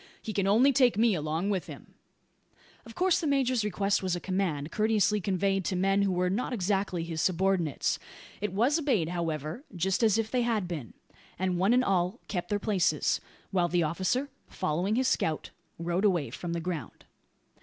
He can only take me along with him." Of course the major's request was a command, courteously conveyed, to men who were not exactly his subordinates. It was obeyed, however, just as if they had been; and one and all kept their places, while the officer, following his scout, rode away from the ground.